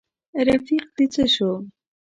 رفیق دي څه شو.